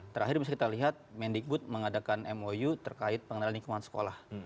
terakhir misalnya kita lihat mendikbud mengadakan mou terkait pengenalan lingkungan sekolah